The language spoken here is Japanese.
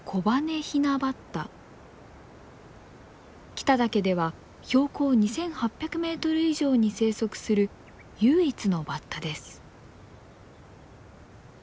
北岳では標高２，８００メートル以上に生息する唯一のバッタです。